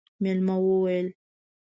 مېلمه وويل: